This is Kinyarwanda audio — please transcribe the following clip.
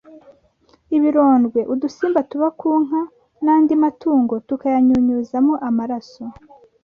ibirondwe udusimba tuba ku nka n'andi matungo tukayanyunyuzamo amaraso